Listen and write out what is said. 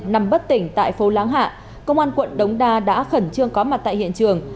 nằm bất tỉnh tại phố láng hạ công an quận đống đa đã khẩn trương có mặt tại hiện trường